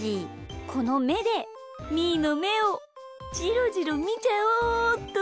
このめでみーのめをじろじろみちゃおうっと。